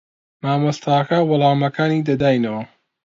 مامۆستاکە وەڵامەکانی دەداینەوە.